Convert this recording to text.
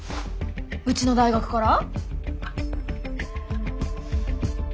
うちの大学から？